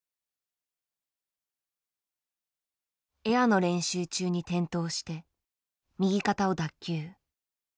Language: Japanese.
エアの練習中に転倒して右肩を脱臼。